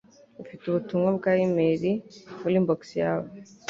Ufite ubutumwa bwa e-imeri muri inbox yawe.